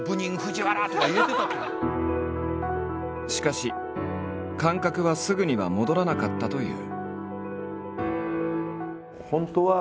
しかし感覚はすぐには戻らなかったという。